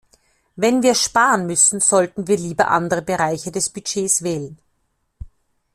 Wenn wir sparen müssen, sollten wir lieber andere Bereiche des Budgets wählen.